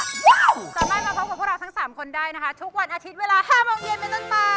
สามารถมาพบกับพวกเราทั้ง๓คนได้นะคะทุกวันอาทิตย์เวลา๕โมงเย็นเป็นต้นไป